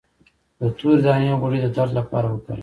د تورې دانې غوړي د درد لپاره وکاروئ